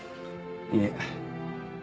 いえ。